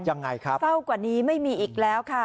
ยังไงครับเศร้ากว่านี้ไม่มีอีกแล้วค่ะ